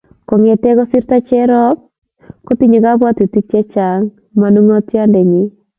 Kong'ete ye kingosirto Jerop kotinye kabwatutik chechang' manung'otyondennyi.